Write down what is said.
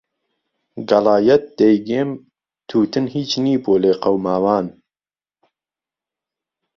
گهڵایهت دهیگێم تووتن هیچ نی بۆ لێقهوماوان